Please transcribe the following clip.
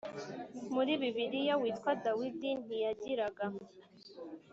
Muri bibiliya witwa dawidi ntiyagiraga